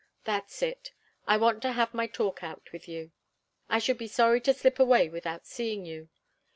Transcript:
That's it. I want to have my talk out with you. I should be sorry to slip away without seeing you.